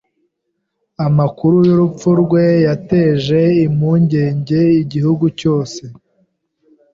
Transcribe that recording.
Amakuru y'urupfu rwe yateje impungenge igihugu cyose.